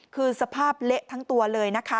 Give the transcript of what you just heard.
คือสภาพเละทั้งตัวเลยนะคะ